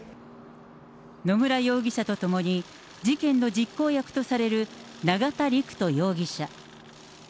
野村容疑者とともに、事件の実行役とされる永田陸人容疑者。